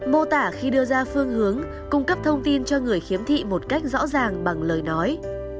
mô tả khi đưa ra phương hướng cung cấp thông tin cho người khiếm thị một cách rõ ràng bằng lời nói